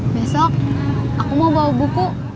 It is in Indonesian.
besok aku mau bawa buku